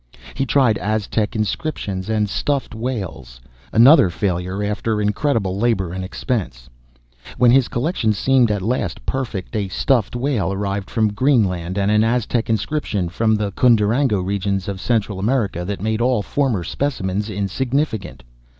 He tried Aztec inscriptions and stuffed whales another failure, after incredible labor and expense. When his collection seemed at last perfect, a stuffed whale arrived from Greenland and an Aztec inscription from the Cundurango regions of Central America that made all former specimens insignificant.